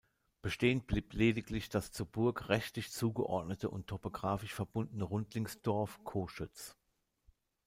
Bestehen blieb lediglich das zur Burg rechtlich zugeordnete und topographisch verbundene Rundlingsdorf Coschütz.